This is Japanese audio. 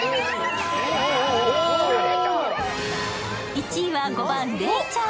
１位は５番レイちゃん。